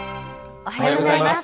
おはようございます。